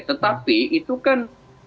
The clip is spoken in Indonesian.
tetapi itu kan